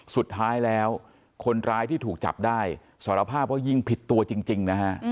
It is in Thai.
สุดท้ายแล้วคนร้ายที่ถูกจับได้สารภาพว่ายิงผิดตัวจริงนะฮะ